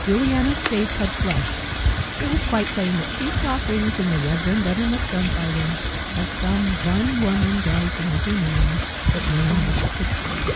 Juliana's face had flushed It was quite plain that she saw things in the Reverend Uttermust Dumfarthing as some one woman does in every man that no one else could see.